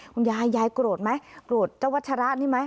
คุณยายยายโกรธไหมโกรธเจ้าวัชระนี่ไหม